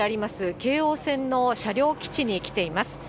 京王線の車両基地に来ています。